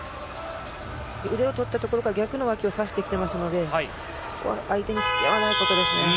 腕を取ったところから逆の脇を差して来ていますので相手つき合わないことですね。